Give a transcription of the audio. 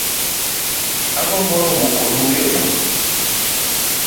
Agombo romo kodu kendo